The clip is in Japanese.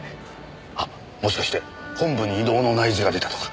あっもしかして本部に異動の内示が出たとか？